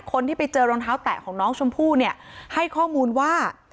คนที่ไปเจอรองเท้าแตะของน้องชมพู่เนี่ยให้ข้อมูลว่า